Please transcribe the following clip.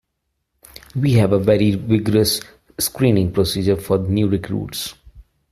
We have a very vigorous screening procedure for new recruits.